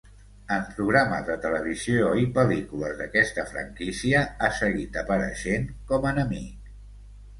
En programes de televisió i pel·lícules d'aquesta franquícia ha seguit apareixent com enemic.